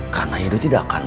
karena idoi tidak akan pindah